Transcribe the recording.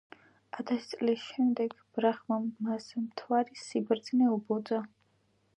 ათასი წლის შემდეგ ბრაჰმამ მას მთვარის სიბრძნე უბოძა.